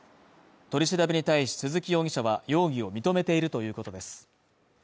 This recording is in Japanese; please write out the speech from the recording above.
取り調べに対し鈴木容疑者は容疑を認めているということです。